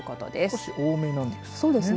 少し多めなんですね。